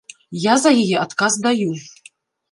Я за яе адказ даю.